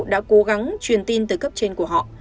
đã cố gắng truyền tin từ cấp trên của họ